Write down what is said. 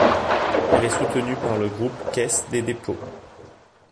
Elle est soutenue par le groupe Caisse des dépôts.